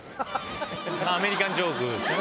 アメリカンジョークですね。